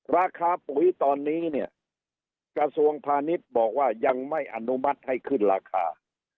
ราคาปุ๋ยตอนนี้เนี่ยกระทรวงพาณิชย์บอกว่ายังไม่อนุมัติให้ขึ้นราคา